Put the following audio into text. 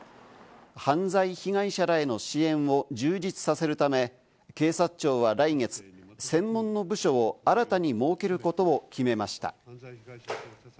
犯罪被害者らへの支援を充実させるため、警察庁は来月、専門の部署を新たに設けることを決めました。